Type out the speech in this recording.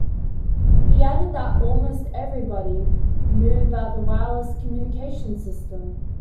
He added that "almost everybody" knew about the wireless communication system.